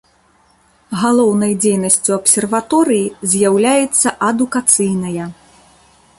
Галоўнай дзейнасцю абсерваторыі з'яўляецца адукацыйная.